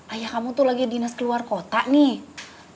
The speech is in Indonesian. ayah kamu tuh lagi dinas keluar kota nih